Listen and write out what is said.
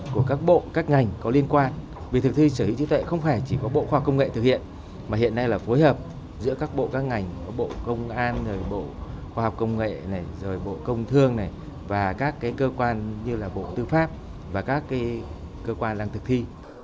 các bộ các ngành có liên quan vì thực thi sở hữu trí tuệ không phải chỉ có bộ khoa học công nghệ thực hiện mà hiện nay là phối hợp giữa các bộ các ngành bộ công an bộ khoa học công nghệ bộ công thương và các cơ quan như là bộ tư pháp và các cơ quan đang thực thi